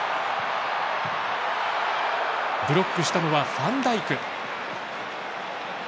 ブロックしたのはファンダイク。